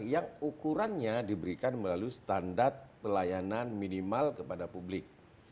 yang ukurannya diberikan melalui standar pelayanan minimal kepada publik